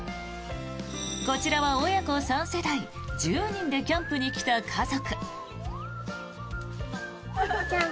こちらは親子３世代１０人でキャンプに来た家族。